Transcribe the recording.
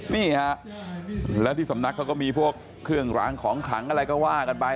นี่ฮะแล้วที่สำนักเขาก็มีพวกเครื่องรางของขลังอะไรก็ว่ากันไป